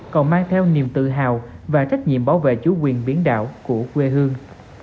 còn mang theo niềm tự hào và trách nhiệm bảo vệ chủ quyền biển đảo của quê hương